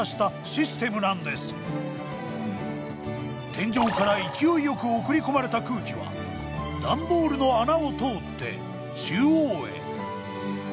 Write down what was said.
天井から勢いよく送り込まれた空気は段ボールの穴を通って中央へ。